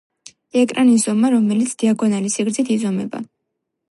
ეკრანის ზომა, რომელიც დიაგონალის სიგრძით იზომება.